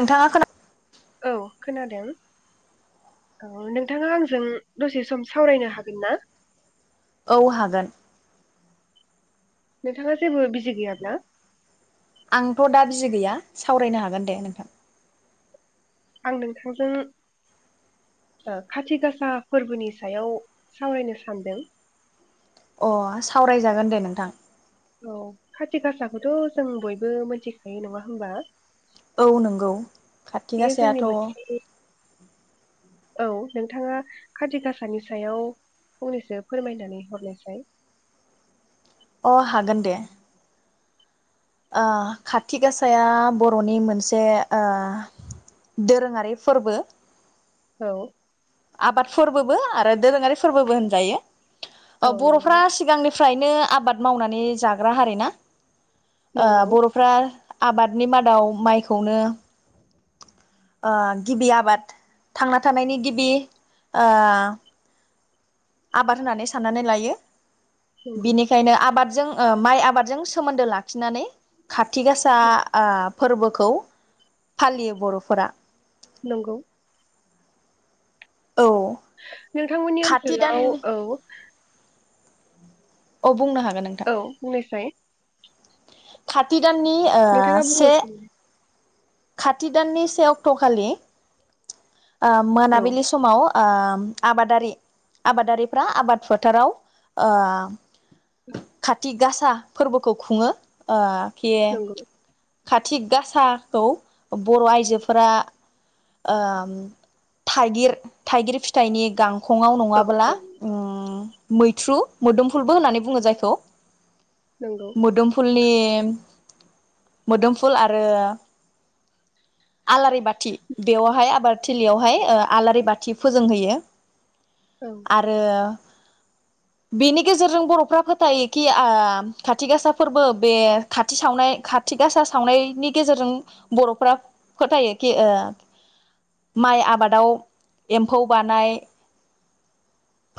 नोंथाङा खोना- औ खोनादों औ नोंथाङा आंजों दसे सम सावरायनो हागोन ना? औ हागोन। नोंथाङा जेबो बिजि गैयाब्ला? आंथ' दा बिजि गैया सावरायनो हागोन औ दे नोंथां। आं नोंथांजों ओ खाथि गासा फोरबोनि सायाव सावरायनो सानदों। अ सावरायजागोन दे नोंथां। औ खाथि गासाखौथ' जों बयबो मोन्थिखायो नङा होमबा औ नंगौ खाथि बेयो जोंनि गासायाथ' मोनसे औ नोंथाङा खाथि गासानि सायाव फंनैसो फोरमायनानै हरनायसाय- अ हागोन दे ओ खाथि गासाया बर'नि मोनसे ओ दोरोङारि फोरबो औ आबादफोरबोबो आरो दोरोङारि फोरबोबो होनजायो। औ ओ नंगौ बर'फ्रा सिगांनि- फ्रायनो आबाद मावनानै जाग्रा हारि ना ओ नंगौ बर'फ्रा आबादनि मादाव माइखौनो ओ गिबि आबाद थांना थानायनि गिबि ओ आबाद होननानै साननानै लायो। नंगौ बिनिखायनो आबाद जों ओ माइ आबादजों सोमोन्दो लाखिनानै खाथि गासा ओ फोरबोखौ फालियो बर'फोरा नोंगौ औ नोंथांमोननि खाथि ओनसोलाव दाननि औ अ बुंनो हागोन नोंथां औ बुंनोसै खाति दाननि ओ नोंथाङा से बुंहरफिन खाथि दाननि से अक्ट' खालि ओ औ मोनाबिलि समाव ओ आबादारि आबादारिफ्रा आबाद फोथाराव ओ खाथि गा- सा फोरबोखौ खुङो ओ [unintelligible] नंगौ खाथि गासाखौ बर' आइजोफोरा ओम थाइगिर थाइगिर फिथाइनि गां ख'ङाव औ नङाबोला औ उम मैथ्रु मोदोमफुलबो होननानै बुङो जायखौ नंगौ मोदोमफुलनि एम मोदोमफुल आरो आलारि बाथ थि बेयावहाय आबाद थिलियावहाय औ ओ आलारि बाथ थि फोजोंहैयो। आरो बेनि गेजेरजों बरफ्रा फोथायोखि आ खाथि गासा फोरबो बे खाथि सावनाय खाथि गासा सावनायनि गेजेरजों बरफ्रा फोथायो खि ओ माइ आबादाव एम्फौ बानाय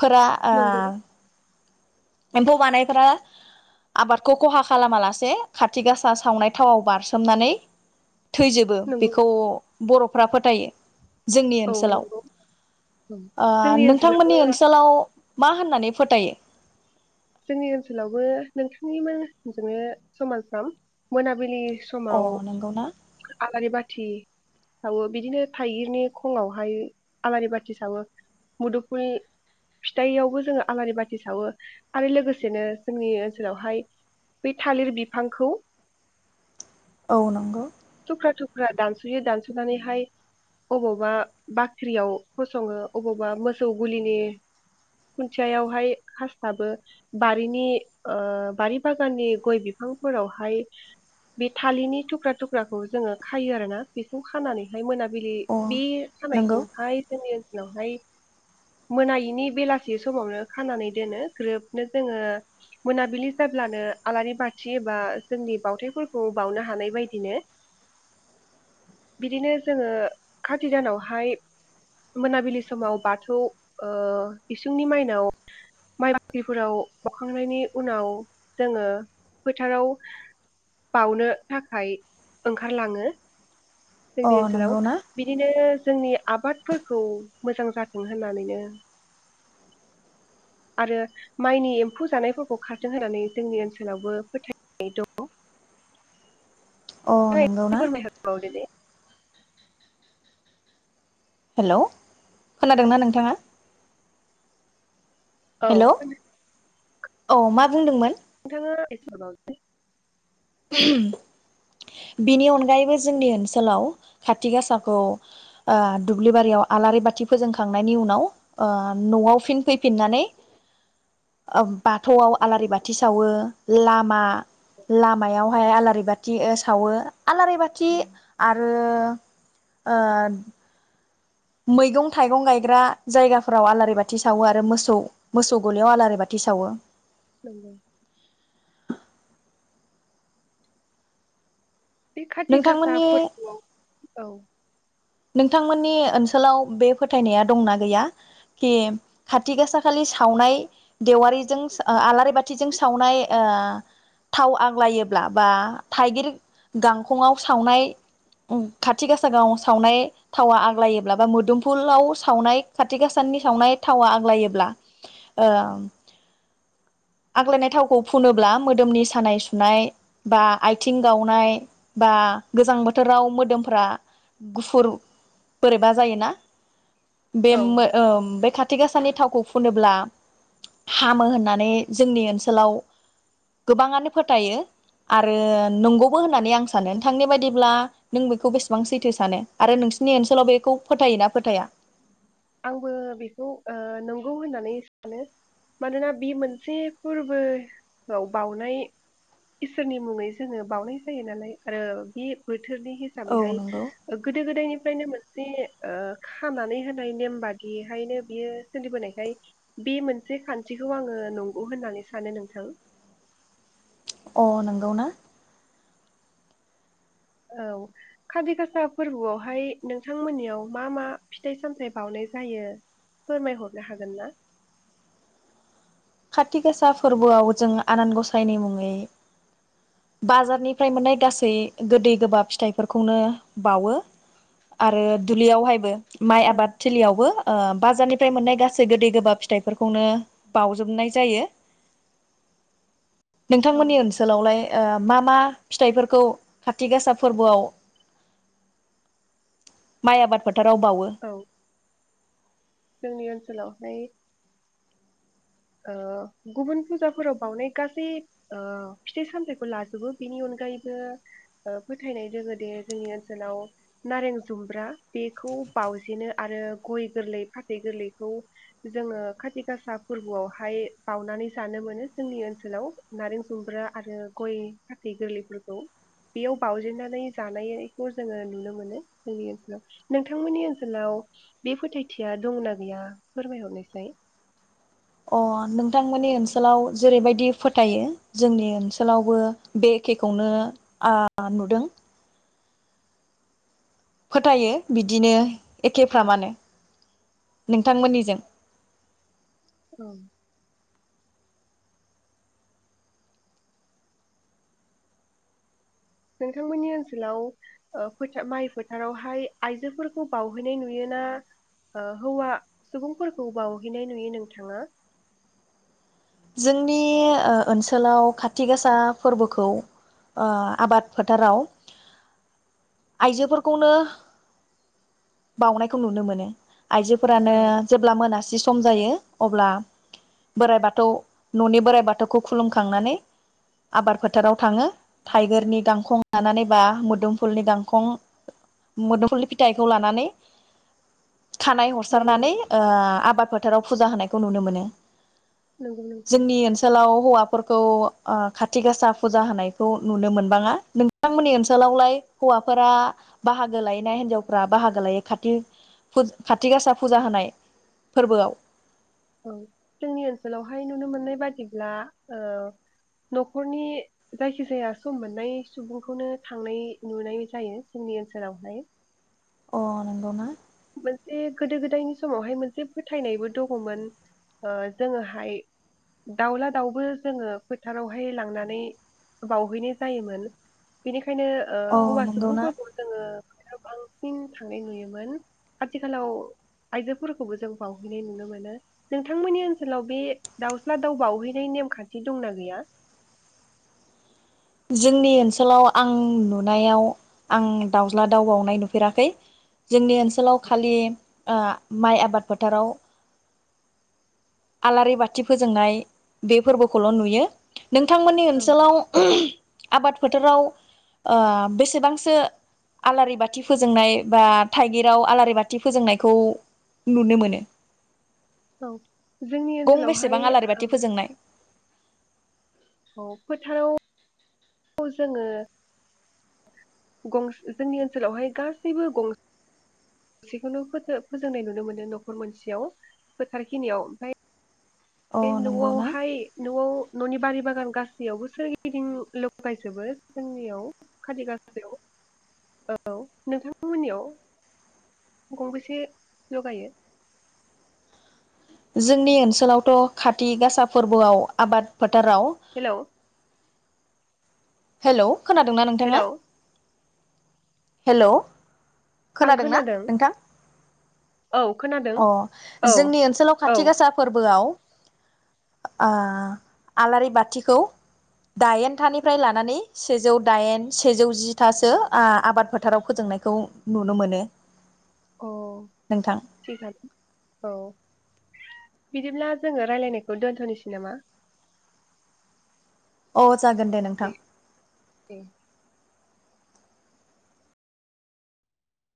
फोरा ओ नंगौ एम्फौ बानायफोरा आबादखौ खहा खालामा लासे खाथि गासा सावनाय थावाव बारसोमनानै थैजोबो नंगौ बेखौ बरफ्रा फोथायो जोंनि औ ओनसोलाव नंगौ औ जोंनि ओ ओनसोलावबो नोंथांमोननि ओनसोलाव मा होननानै फोथायो? जोंनि ओनसोलावबो नोंथांनिमोनजोंनो समाजाव मोनाबिलि अ समाव नंगौ ना आलारि बाथि सावो बिदिनो थाइगिरनि खङावहाय आलारि बाथि सावो मुदुफुल फिथाइयावबो जोङो आलारि बाथि सावो आरो लोगोसेनो जोंनि ओनसोलावहाय बे थालिर बिफांखौ औ नंगौ। थुख्रा थुख्रा दानसयो दानसनानैहाय अबावबा बाख्रियाव फसङो अबावबा मोसौ गुलिनि खुन्थिययावहाय खास्लाबो बारिनि ओ बारि बागाननि गय बिफांफोरावहाय बे थालिरनि थुख्रा थुख्रा फ्राखौ जोङो खायो आरोना बेखौ खानानैहाय मोन बिलि अ बि खामायखौ नंगौ हाय जोंनि ओन उनावहाय मोनायिनि बेलासि समावनो खानानै दोनो ग्रोबनो जोङो मोनाबिलि जाब्लानो आलारि बाथि एबा जोंनि बावथायफोरखौ बावनो हानाय बायदिनो बिदिनो जोङो खाथि दानावहाय मोनाबिलि समाव बाथौ ओ इसुंनि माइनाव माइ बाख्रिफोराव बखांनायनि उनाव जोङो फोथाराव बावनो थाखाय ओंखारलाङो। अ जोंनि ओनसोलाव नंगौ ना बिदिनो जोंनि आबादफोरखौ मोजां जाथों होननानैनो आरो माइनि एम्फौ जानायफोरखौ खारथों होननानै जोंनि ओनसोलावबो फोथायनाय दङ। अ नोंगौ ना। फोरमायहरबावदो दे हेल खोनादोंना नोंथाङा? औ। हेलौ औ मा बुंदोंमोन [unintelligible] बिनि अनगायैबो जोंनि ओनसोलाव खाथि गासाखौ आ दुब्लि बारियाव आलारि बाथि फोजोंखांनायनि उनाव आ नआव फिन फैफिननानै बाथौआव आलारि बाथि सावो लामा ला मायावहाय आलारि बाथि ओ सावो। आलारि बाथि आरो ओ मैगं थाइगं गायग्रा जायगाफोराव आलारि बाथि सावो आरो मोसौ मोसौ गलियाव आलारि बाथि सावो। नंगौ। बे खाथि गासा नोंथांमोननि फोरबोआव औ। नोंथांमोननि ओनसोलाव बे फोथायनाया दंना गैया कि खाथि गासा खालि सावनाय देवारिजों आलारि बाथिजों सावनाय ओ थाव आग्लायोब्ला बा थाइगिर गांखंआव सावनाय खाथि गासा गावस सावनाय थावा आग्लायोब्ला बा मोदोमफुलाव सावनाय खाथि गासाननि सावनाय थावा आग्लायोब्ला ओ आग्लायनाय थावखौ फुनोब्ला मोदोमनि सानाय सुनाय बा आथिं गावनाय बा गोजां बोथोराव मोदोमफ्रा गुफुर बोरैबा जायोना बे औ मो ओम खाथि गा सानि थाव खौ फुनोब्ला हामो होननानै जोंनि ओनसोलाव गोबाङानो फोथायो आरो नंगौबो होननानै आं सानो नोंथांनि बायदिब्ला नों बेखौ बेसेबां सै थो सानो आरो नोंसोरनि ओनसोलाव बेखौ फोथायो ना फोथाया? आंबो बेखौ ओ नंगौ होननानै सानो मानोना बे मोनसे फोरबोआव बाउनाय इसोरनि मुङै जोङो बावनाय जायो नालाय आरो बे बो थोरनि औ हिसाबैहाय नंगौ। ओ गोदो गोदायनिफ्रायनो मोन जे ओ खानानै होन नाय नेम बादियैहायनो बियो सोलिबोनायखाय बे मोनसे खान्थिखौ आङो नंगौ होननानै सानो नोंथां। अ नोंगौ ना? औ काति गासा फोरबोआवहाय नोंथांमोननियाव मा मा फिथाइ सामथाइ बावनाय जायो फोरमायहरनो हागोन ना? खाथि गासा फोरबोआव जों आनान गसायनि मुङै बाजारनिफ्राय मोननाय गासै गोदै गोबाब फिथाइफोरखौनो बावो आरो दुब्लियावहायबो माइ औ आबाद थिलियावबो ओ बाजारनिफ्राय मोननाय गासै गोदै गोबाब फिथाइफोरखौनो बाव जोबनाय जायो। औ नोंथांमोननि ओनसोलावलाय ओ मा मा फिथाइफोरखौ खाथि गासा फोरबोआव माइ आबादफो थाराव बावो? औ जोंनि ओनसोलावहाय ओ गुबुन फुजाफोराव बावनाय गासै ओ फिथाइ सामथाइखौ लाजोबो बेनि अनगायैबो ओ फोथायनाय दोङो दे जोंनि ओनसोलाव नारें जुम्ब्रा बेखौ बाउजेनो आरो गय गोरलै फाथै गोरलैखौ जोङो खाथि गासा फोरबोआव हाय बावनानै जानो मोनो जोंनि ओनसोलाव नारें जुम्ब्रा आरो गय फाथै गोरलैफोरखौ बेयाव बाउजेननानै जानायखौ जोङो नुनो मोनो जोंनि ओनसोलाव नोंथांमोननि ओनसोलाव बे फोथायथिया दंना गैया फोरमायहरनायसाय। अ नोंथांमोननि ओनसोलाव जेरैबायदि फोथायो जोंनि ओनसोलावबो बे एखेखौनो ओ नुदों। फोथायो बिदिनो। एखेफ्रामानोे। नोंथांमोननिजों औ। नोंथांमोननि ओनसोलाव ओ फोथा माइ फोथारावहाय आइजोफोरखौ बावहैनाय नुयोना ओ हौवा सुबुंफोरखौ बावहैनाय नुयो नोंथाङा? जोंनि ओ ओनसोलाव खाथि गासा फोरबोखौ ओ आबाद फोथाराव आइजोफोरखौनो बाउनायखौ नुनो मोनो। आइजोफोरानो औ जेब्ला मोनासि सम जायो अबल न'नि बोराइ बाथौखौ खुलुमखांनानै आबाद फोथाराव थाङो थाइगिरनि गांखं लानानै बा मोदोमफुलनि गांखं मोदोमफुलनि फिथाइखौ लानानै खानाय नंगौ हरसारनानै ओ आबादफोर फोथाराव फुजा होनायखौ नुनो मोनो नंगौ नोंथां जोंनि ओनसोलाव हौवाफोरखौ ओ खाथि गासा फुजा होनायखौ नुनो मोनबाङा नोंथांमोननि ओनसोलावलाय हौवाफोरा बाहागो लाय ना हिनजावफोरा बाहागो लायो खाथि फु खाथि गासा फुजा होनाय फोरबोआव औ जोंनि ओनसोलावहाय नुनो मोननाय बादिब्ला नखरनि जायखिजाया सम मोननाय सुबुंखौनो थांनाय नुनाय जायो जोंनि ओनसोलावहाय अ नंगौना मोनसे गोदो गोदायनि समावहाय मोनसे फोथायनायबो दङमोन जोङोहाय दाउला दाउबो जोङो फोथारावहाय लांनानै बाउहैनाय जायोमोन बेनिखाय खायनो ओ अ हौवा नंगौना सुबुंफोरखौ जोङो बांसिन थांनाय नुयोमोन आथिखालाव आइजोफोरखौबो जों बावहैनाय नुनो मोनो नोंथांमोननि ओनसोलाव बे दाउस्ला दाउ बाउहैनाय नेमखान्थि दंना गैया जोंनि ओनसोलाव आं नुनायाव आं दाउज्ला दाउ बावउनाय नुफेराखै जोंनि ओनसोलाव खालि आ माइ आबाद फोथाराव आलारि बाथि फोजोंनाय बे फोरबोखौल नुयो नोंथांमोननि ओनसोलाव आबाद फोथाराव बेसेबांसो आलारि बाथि फोजोंनाय बा थाइगिराव आलारि बाथि फोजोंनायखौ नुनो मोनो औ जोंनि गं ओनसोलावहाय बेसेबां आलारि बाथि फोजोंनाय औ फोथाराव जोङों गं जोंनि ओनसोलावहाय गासैबो गं गंसेखौनो फोजोंनाय नुनो मोनो नखर मोनसेयाव फोथारखिनियाव ओमफ्राय अ बे नंगौना नआवहाय नआव ननि बारि बागान गासैयावबो सोरगिदिं लगायजोबो जोंनियाव खालि गासायाव औ नोंथांमोननियाव गंबेसे लगायो जोंनि ओनसोलावथ खाथि गासा फोरबोआव आबाद फोटाराव हेलौ हेल खोनादोंना नोंथाङा हेलौ हेल आं खोनादोंना खोनादों नोंथां औ खोनादों अ औ जोंनि ओनसोलाव औ खाथि गासा फोरबोआव आ आलारि बाथिखौ दाइनथानिफ्राय लानानै सेजौ दाइन सेजौ जिथासो आ आबाद फोथाराव फोजोंनायखौ नुनो मोनो औ नोंथां थख औ बिदिब्ला जोङो राय्लायनायखौ दोन्थनोसै नामा अह जागोन दे नोंथां दे